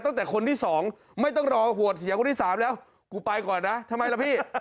ตั้งแต่คนที่สองไม่ต้องรอหัวเสียคนที่๓แล้วกูไปก่อนนะทำไมล่ะพี่